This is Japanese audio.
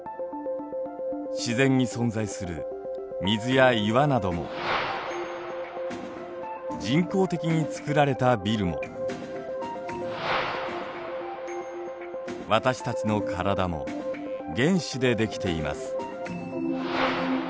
自然に存在する水や岩なども人工的に造られたビルも私たちの体も原子で出来ています。